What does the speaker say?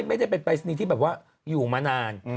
ไม่ได้เป็นปรายศนีย์ที่แบบว่าอยู่มานาน